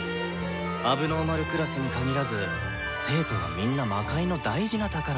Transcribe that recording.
問題児クラスに限らず生徒はみんな魔界の大事な宝です。